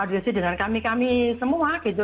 diskusi dengan kami kami semua gitu